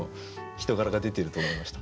人柄が出ていると思いました。